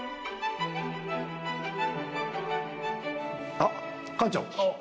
あっ館長。